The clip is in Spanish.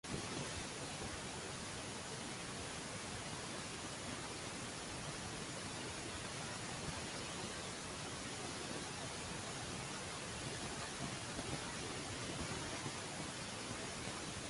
Cada capa se construye sobre su predecesora.